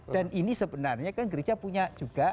dan ini sebenarnya kan gereja punya juga